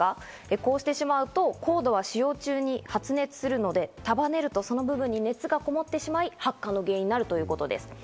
こうしてしまうと、コードは使用中に発熱するので、束ねると、その部分に熱がこもってしまい、発火の原因になるということです。